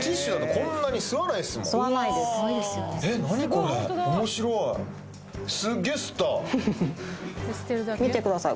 これ面白いフフフ見てください